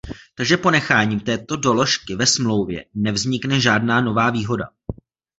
Takže ponecháním této doložky ve smlouvě nevznikne žádná nová výhoda.